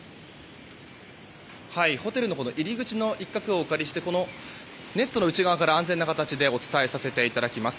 ホテルの入り口の一角をお借りしてこのネットの内側から安全な形でお伝えさせていただきます。